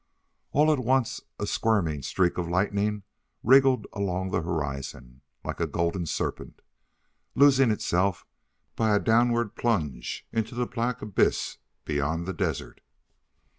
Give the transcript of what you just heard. All at once a squirming streak of lightning wriggled along the horizon, like a golden serpent, losing itself by a downward plunge into the black abyss beyond the desert.